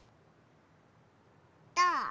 どう？